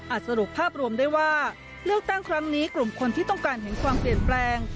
สรุปภาพรวมได้ว่าเลือกตั้งครั้งนี้กลุ่มคนที่ต้องการเห็นความเปลี่ยนแปลง